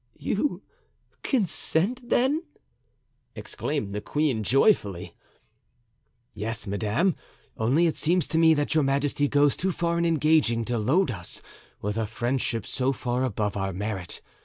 "You consent then?" exclaimed the queen, joyfully. "Yes, madame; only it seems to me that your majesty goes too far in engaging to load us with a friendship so far above our merit.